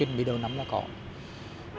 hơn một kia intake trước